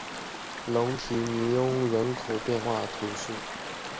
龙提尼翁人口变化图示